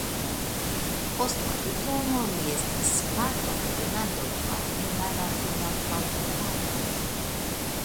Post la diplomo li estis partoprenanto de la hungara filma produktado.